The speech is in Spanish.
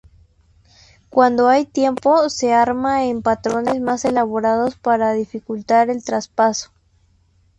Cuando hay tiempo, se arman en patrones más elaborados para dificultar el traspaso.